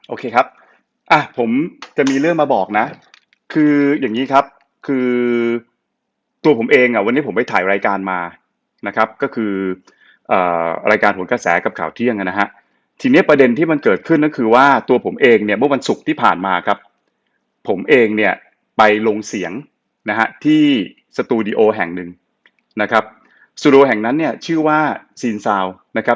โอเคครับอ่ะผมจะมีเรื่องมาบอกนะคืออย่างนี้ครับคือตัวผมเองอ่ะวันนี้ผมไปถ่ายรายการมานะครับก็คือรายการผลกระแสกับข่าวเที่ยงนะฮะทีนี้ประเด็นที่มันเกิดขึ้นก็คือว่าตัวผมเองเนี่ยเมื่อวันศุกร์ที่ผ่านมาครับผมเองเนี่ยไปลงเสียงนะฮะที่สตูดิโอแห่งหนึ่งนะครับสตูแห่งนั้นเนี่ยชื่อว่าซีนซาวนะครับ